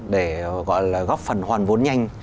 để góp phần hoàn vốn nhanh